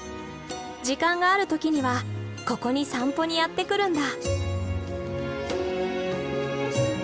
時間がある時にはここに散歩にやって来るんだ。